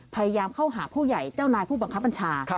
พยายามเข้าหาผู้ใหญ่เจ้านายผู้บังคับบัญชา